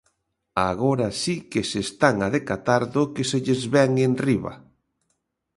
Agora si que se están a decatar do que se lles vén enriba.